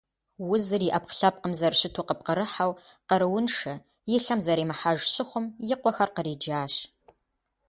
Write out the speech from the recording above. Узыр и ӏэпкълъэпкъым зэрыщыту къыпкърыхьэу, къарууншэ, и лъэм зэримыхьэж щыхъум, и къуэхэр къриджащ.